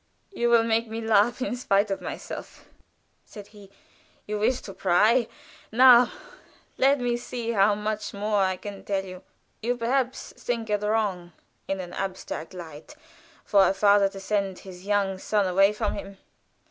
"You will make me laugh in spite of myself," said he. "You wish to pry! Now, let me see how much more I can tell you. You perhaps think it wrong, in an abstract light, for a father to send his young son away from him.